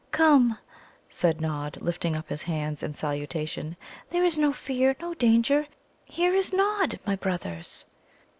"Come," said Nod, lifting up his hands in salutation; "there is no fear, no danger! Here is Nod, my brothers."